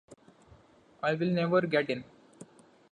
I will never get in.